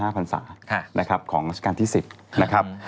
๖๕ภัษาของการที่๑๐นะครับ